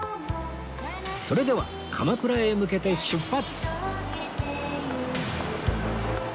それでは鎌倉へ向けて出発